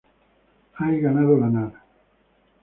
Hay ganado lanar.